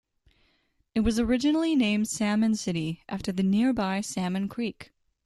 It was originally named Salmon City after the nearby Salmon Creek.